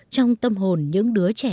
trong tâm hồn những đứa trẻ này